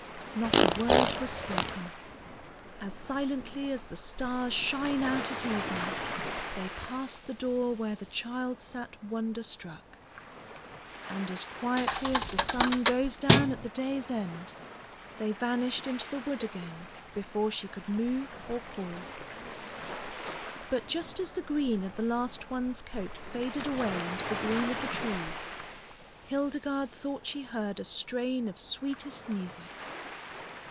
Not a word was spoken. As silently as the stars shine out at evening they passed the door where the child sat wonder struck; and as quietly as the sun goes down at the day's end they vanished into the wood again before she could move or call. But just as the green of the last one's coat faded away into the green of the trees, Hildegarde thought she heard a strain of sweetest music!